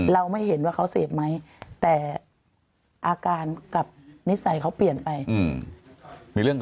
เราไม่เห็นว่าเขาเสพไหมแต่อาการกับนิสัยเขาเปลี่ยนไป